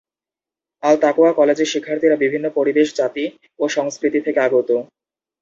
আল-তাকওয়া কলেজের শিক্ষার্থীরা বিভিন্ন পরিবেশ, জাতি ও সংস্কৃতি থেকে আগত।